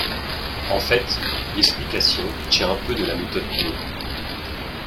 En fait, l’explication tient un peu de la méthode Coué.